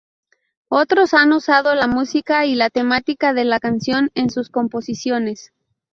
Otros han usado la música y la temática de la canción en sus composiciones.